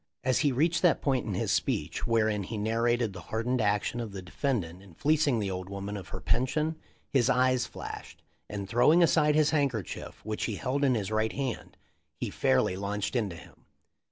As he reached that point in his speech wherein he narrated the hardened action of the defendant in fleecing the old woman of her pension his eyes flashed, and throwing aside his handker chief, which he held in his right hand, he fairly launched into him.